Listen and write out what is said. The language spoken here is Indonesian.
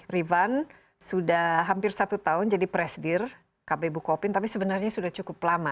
rifan sudah hampir satu tahun jadi presidir kb bukopin tapi sebenarnya sudah cukup lama